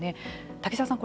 滝沢さん